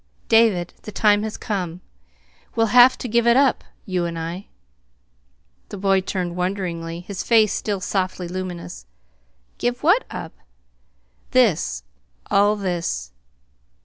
"David, the time has come. We'll have to give it up you and I." The boy turned wonderingly, his face still softly luminous. "Give what up?" "This all this."